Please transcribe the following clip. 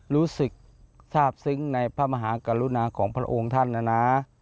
รู้สึกทราบซึ้งในพระมหากรุณาของพระองค์ท่านนะนะ